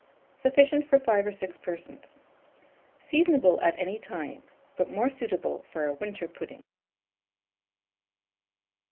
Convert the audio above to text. Sufficient for 5 or 6 persons. Seasonable at any time; but more suitable for a winter pudding.